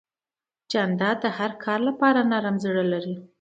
جانداد د هر کار لپاره نرم زړه لري.